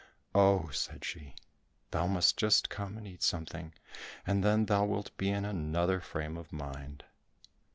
"Oh," said she, "thou must just come and eat something, and then thou wilt be in another frame of mind."